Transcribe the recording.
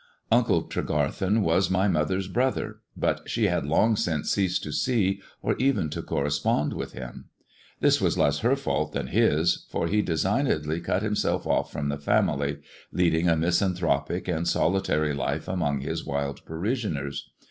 Uncle Tregarthen was my mother's brother, but she ha long since ceased to see, or even to correspond with hin This was less her fault than his, for he designedly cu himself off from the family, leading a misanthropic an solitary life among his wild parishioners.